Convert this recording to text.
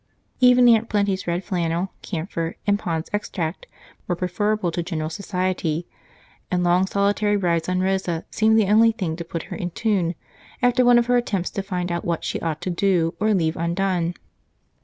Even Aunt Plenty's red flannel, camphor, and Pond's Extract were preferable to general society, and long solitary rides on Rosa seemed the only thing to put her in tune after one of her attempts to find out what she ought to do or leave undone.